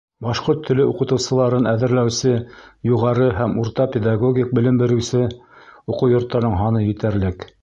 Башҡорт теле уҡытыусыларын әҙерләүсе юғары һәм урта педагогик белем биреүсе уҡыу йорттарының һаны етәрлек.